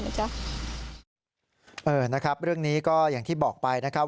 นะครับเรื่องนี้ก็อย่างที่บอกไปนะครับ